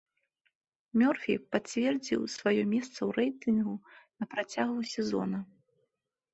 Мёрфі пацвердзіў сваё месца ў рэйтынгу на працягу сезона.